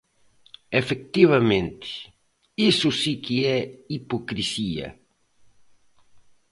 Efectivamente, iso si que é hipocrisía.